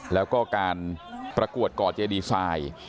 แล้วก็การประกวดก่อเจดีไซน์